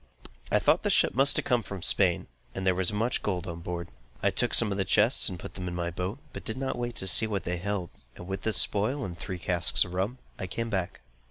I thought the ship must have come from Spain, and there was much gold on board. I took some of the chests and put them in my boat, but did not wait to see what they held, and with this spoil, and three casks of rum, I came back.